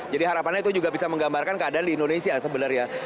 jadi harapannya itu juga bisa menggambarkan keadaan di indonesia sebenarnya